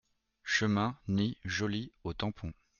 Chemin Nid Joli au Tampon